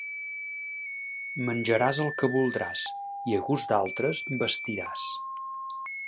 Menjaràs el que voldràs i, a gust d'altres, vestiràs.